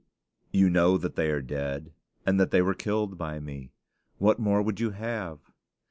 You know that they are dead, and that they were killed by me. What more would you have?